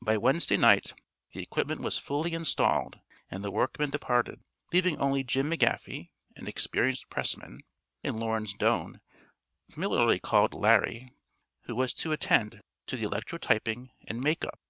By Wednesday night the equipment was fully installed and the workmen departed, leaving only Jim McGaffey, an experienced pressman, and Lawrence Doane familiarly called Larry who was to attend to the electrotyping and "make up."